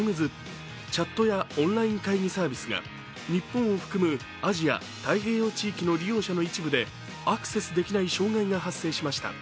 チャットやオンラインサービスが日本を含むアジア太平洋地域の利用者の一部でアクセスできない障害が発生しました。